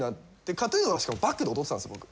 ＫＡＴ−ＴＵＮはバックで踊っていたんです、僕。